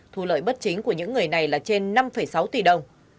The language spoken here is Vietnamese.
thu lợi bất chính của những người này là trên năm sáu tỷ đồng